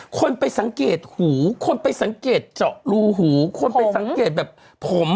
คนไปสังเกตหูคนไปสังเกตเจาะรูหูคนไปสังเกตแบบผม